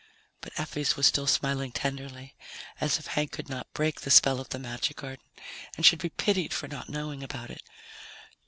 But Effie's was still smiling tenderly, as if Hank could not break the spell of the magic garden and should be pitied for not knowing about it.